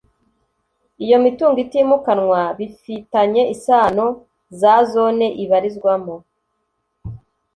iyo mitungo itimukanwa bifitanye isano za zone ibarizwamo